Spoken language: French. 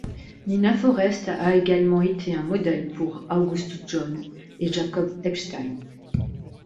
Nina Forrest a également été un modèle pour Augustus John et Jacob Epstein.